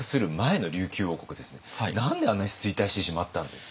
何であんなに衰退してしまったんですか？